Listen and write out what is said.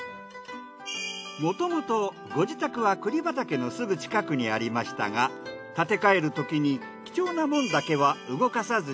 もともとご自宅は栗畑のすぐ近くにありましたが建て替えるときに貴重な門だけは動かさずにここに残したそうです。